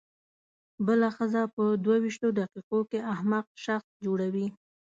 بله ښځه په دوه وېشتو دقیقو کې احمق شخص جوړوي.